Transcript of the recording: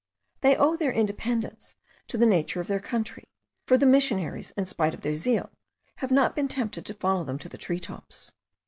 They owe their independence to the nature of their country; for the missionaries, in spite of their zeal, have not been tempted to follow them to the tree tops.